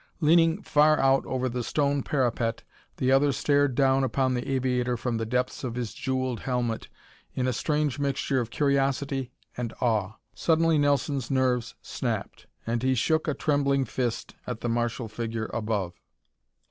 Leaning far out over the stone parapet the other stared down upon the aviator from the depths of his jewelled helmet in a strange mixture of curiosity and awe. Suddenly Nelson's nerves snapped and he shook a trembling fist at the martial figure above.